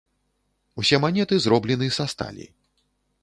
Усе манеты зроблены са сталі.